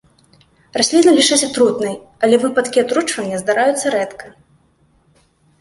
Расліну лічаць атрутнай, але выпадкі атручвання здараюцца рэдка.